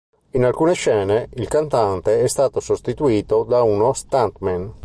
In alcune scene il cantante è stato sostituito da uno stuntman.